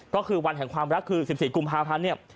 ก็คือวันแห่งความรักคือ๑๔กุมภาพันธ์เนี่ย